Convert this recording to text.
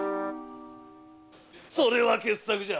それは傑作じゃ。